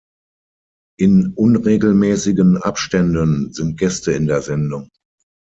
In unregelmäßigen Abständen sind Gäste in der Sendung.